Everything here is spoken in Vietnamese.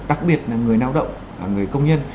đặc biệt là người nào động người công nhân